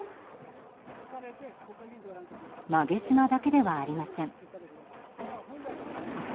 馬毛島だけではありません。